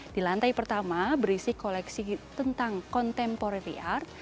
di lantai pertama berisi koleksi tentang contemporary art